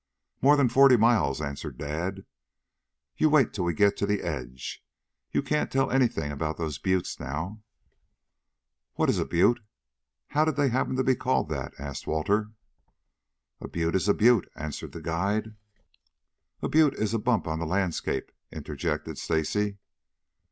"More than forty miles," answered Dad. "You wait till we get to the edge. You can't tell anything about those buttes now." "What is a butte how did they happen to be called that?" asked Walter. "A butte is a butte," answered the guide. "A butte is a bump on the landscape," interjected Stacy.